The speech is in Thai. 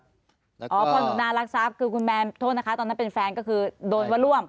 อ๋อพอหนูนารักทรัพย์คือคุณแมนโทษนะคะตอนนั้นเป็นแฟนก็คือโดนว่าร่วม